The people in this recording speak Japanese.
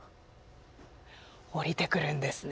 おりてくるんですね。